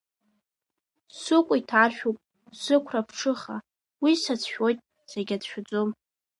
Сыкәа иҭаршәуп сықәра аԥҽыха, уи сацәшәоит, сагьацәшәаӡом.